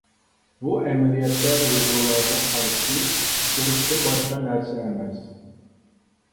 بۇ ئەمەلىيەتتە ئۇيغۇرلارغا قارشى ئۇرۇشتىن باشقا نەرسە ئەمەس.